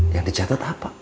yang dicatet apa